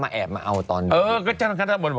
แอบมาเอาตอนนี้